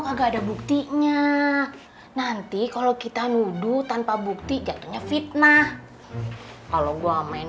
agak ada buktinya nanti kalau kita nuduh tanpa bukti jatuhnya fitnah kalau gua main